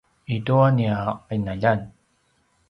i tua nia qinaljan